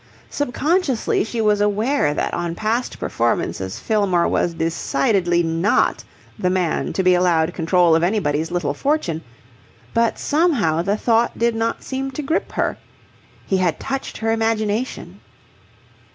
Sub consciously she was aware that on past performances Fillmore was decidedly not the man to be allowed control of anybody's little fortune, but somehow the thought did not seem to grip her. He had touched her imagination.